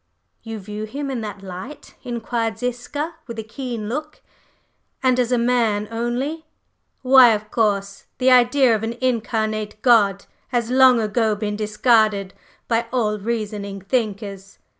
"You view Him in that light?" inquired Ziska with a keen look. "And as man only?" "Why, of course! The idea of an incarnate God has long ago been discarded by all reasoning thinkers."